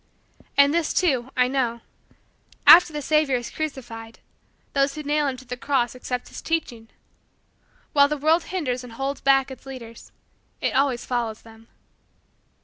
And this, too, I know: after the savior is crucified, those who nail him to the cross accept his teaching. While the world hinders and holds back its leaders, it always follows them.